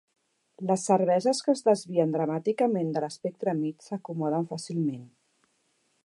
Les cerveses que es desvien dramàticament de l'espectre "mig" s'acomoden fàcilment.